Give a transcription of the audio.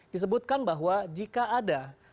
disebutkan bahwa jika ada